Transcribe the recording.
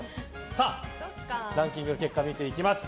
ランキングの結果見ていきます。